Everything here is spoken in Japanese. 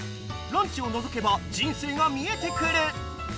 ランチをのぞけば人生が見えてくる。